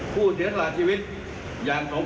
เพื่อปรับใช้เป็นแนวทาง